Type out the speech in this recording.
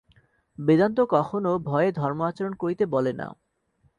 বেদান্ত কখনও ভয়ে ধর্ম আচরণ করিতে বলে না।